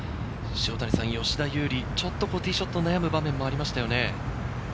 吉田優利、ちょっとティーショット、悩む場面もありましたよね。